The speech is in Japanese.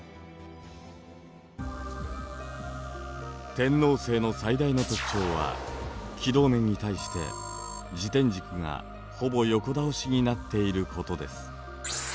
天王星の最大の特徴は軌道面に対して自転軸がほぼ横倒しになっていることです。